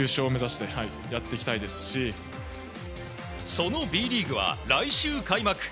そのＢリーグは来週開幕。